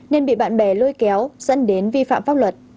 nên bị bạn bè lôi kéo dẫn đến vi phạm pháp luật